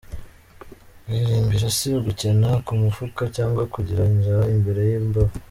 Guhirimbira si ugukena ku mufuka, cyangwa kugira inzara imbere y’imbavu.